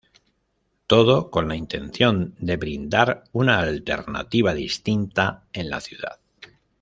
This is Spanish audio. Todo con la intención de brindar una alternativa distinta en la ciudad.